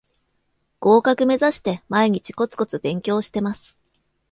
合格めざして毎日コツコツ勉強してます